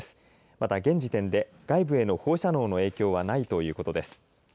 また現時点で外部への放射能の影響はないということです。